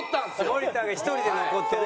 森田が１人で残ってね。